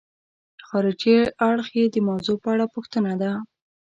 خارجي اړخ یې د موضوع په اړه پوښتنه ده.